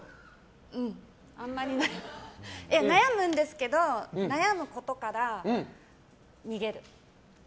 悩むんですけど悩むことから逃げる。